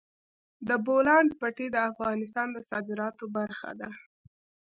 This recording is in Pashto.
د بولان پټي د افغانستان د صادراتو برخه ده.